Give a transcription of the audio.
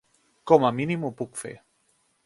Com a mínim ho puc fer.